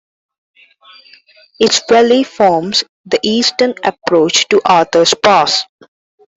Its valley forms the eastern approach to Arthur's Pass.